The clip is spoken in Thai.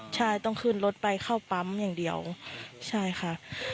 ใช่ต้องขึ้นรถไปเข้าปั๊มอย่างเดียวใช่ค่ะ